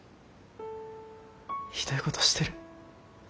ひどいごどしてる。